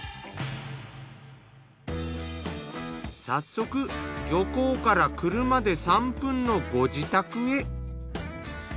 早速漁港から車で３分のご自宅へ。